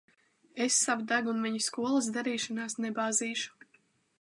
Es savu degunu viņa skolas darīšanās nebāzīšu.